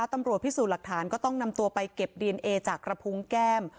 ตำรวจพิสูจน์หลักฐานก็ต้องนำตัวไปเก็บดีเอนเอจากกระพุงแก้ม